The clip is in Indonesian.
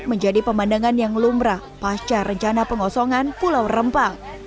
menjadi pemandangan yang lumrah pasca rencana pengosongan pulau rempang